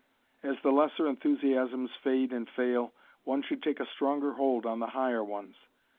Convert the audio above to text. As the lesser enthusiasms fade and fail, one should take a stronger hold on the higher ones.